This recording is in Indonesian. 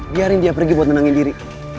biarin dia pergi buat nenangin diri